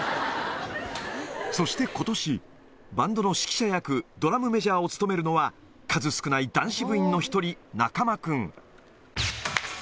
そしてことし、バンドの指揮者役、ドラムメジャーを務めるのは、数少ない男子部員の１人、中間君。